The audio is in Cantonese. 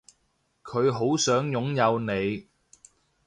佢好想擁有你